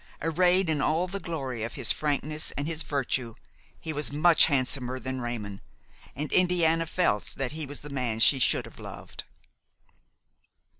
Arrayed in all the glory of his frankness and his virtue he was much handsomer than Raymon, and Indiana felt that he was the man she should have loved.